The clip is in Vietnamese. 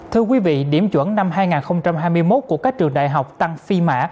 thưa quý vị điểm chuẩn năm hai nghìn hai mươi một của các trường đại học tăng phi mã